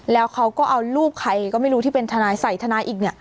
แล้วเขาก็เอารูปใครก็ไม่รู้ที่เป็นทนายใส่ทนายอีกเนี่ย